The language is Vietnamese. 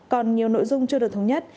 còn nhiều nội dung chưa được thống nhất